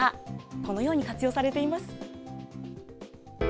このように活用されています。